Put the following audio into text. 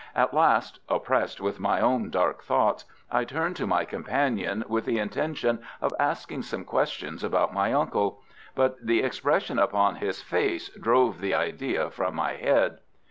At last, oppressed with my own dark thoughts, I turned to my companion with the intention of asking some questions about my uncle, but the expression upon his face drove the idea from my head.